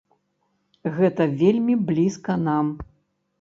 Гэта вельмі блізка нам.